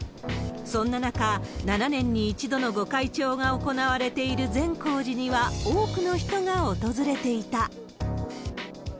そんな中、７年に１度の御開帳が行われている善光寺には、多くの人が訪れていた。